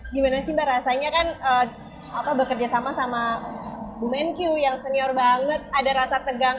gimana sih mbak rasanya kan bekerja sama sama bu menkyu yang senior banget ada rasa tegang